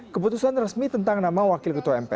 keputusan resmi tentang nama wakil ketua mpr